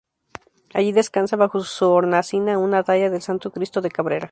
Allí descansa, bajo su hornacina, una talla del Santo Cristo de Cabrera.